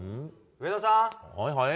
上田さん。